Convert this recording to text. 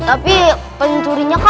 tapi pencurinya kan